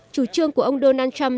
chủ trương của ông donald trump